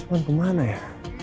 cuman kemana ya